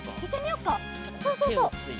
そうそうそう。